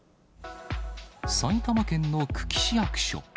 埼玉県の久喜市役所。